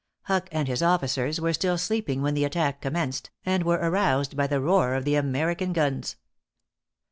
Huck and his officers were still sleeping when the attack commenced, and were aroused by the roar of the American guns.